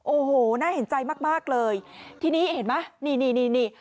โอ้โหหน้าเห็นใจมากเลยที่นี่เห็นมั้ยนี่